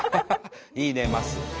いいねマス。